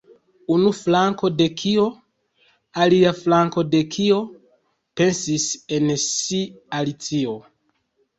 "Unu flanko de kio? Alia flanko de kio?" pensis en si Alicio.